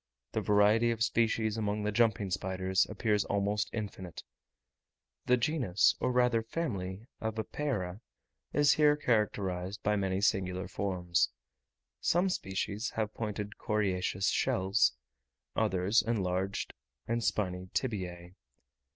The variety of species among the jumping spiders appears almost infinite. The genus, or rather family, of Epeira, is here characterized by many singular forms; some species have pointed coriaceous shells, others enlarged and spiny tibiae.